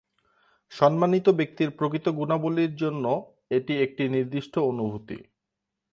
সম্মানিত ব্যক্তির প্রকৃত গুণাবলী জন্য এটি একটি নির্দিষ্ট অনুভূতি।